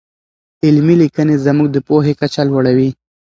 علمي لیکنې زموږ د پوهې کچه لوړوي.